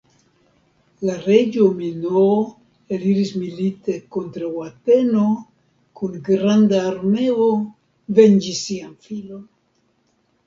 La reĝo Minoo eliris milite kontraŭ Ateno kun granda armeo venĝi sian filon.